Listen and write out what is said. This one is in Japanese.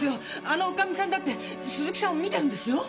あの女将さんだって鈴木さんを見てるんですよ？